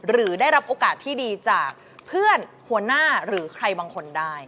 หรือได้รับโอกาสที่ดีจากเพื่อนหัวหน้าหรือใครบางคนได้